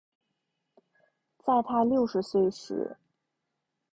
在她六十岁时